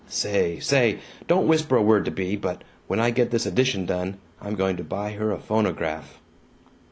Say! Say! Don't whisper a word to Bea, but when I get this addition done, I'm going to buy her a phonograph!"